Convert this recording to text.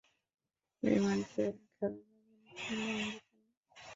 বিমানকে খাঁড়াভাবে নিচে নামাবো কেন?